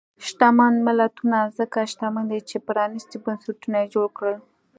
شتمن ملتونه ځکه شتمن دي چې پرانیستي بنسټونه یې جوړ کړل.